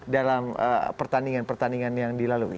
dalam pertandingan pertandingan yang dilalui